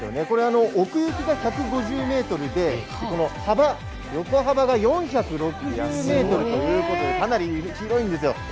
こちらは奥行きが１５０ｍで横幅が４６０ｍということでかなり広いんですよ。